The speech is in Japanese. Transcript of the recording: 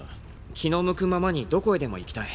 気の向くままにどこへでも行きたい。